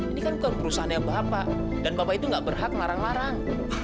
ini kan bukan perusahaan yang bapak dan bapak itu nggak berhak larang larang